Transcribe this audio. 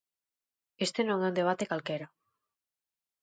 Este non é un debate calquera.